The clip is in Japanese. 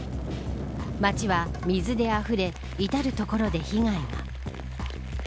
町は水であふれ至る所で被害が。